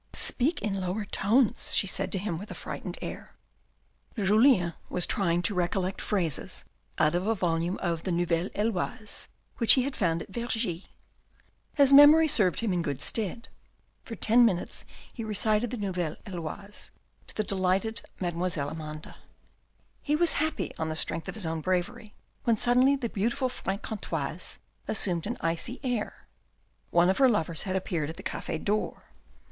" Speak in lower tones," she said to him with a frightened air. Julien was trying to recollect phrases out of a volume of the Nouvelle Heloise which he had found at Vergy. His memory served him in good stead. For ten minutes he recited the Nouville Heloise to the delighted Mademoiselle Amanda. He was happy on the strength of his own bravery, when suddenly the beautiful Franc contoise assumed an icy air. One of her lovers had appeared at the cafe door.